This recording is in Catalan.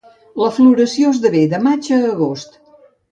La floració s'esdevé de maig a agost.